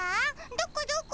どこどこ？